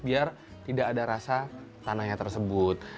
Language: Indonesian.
biar tidak ada rasa tanahnya tersebut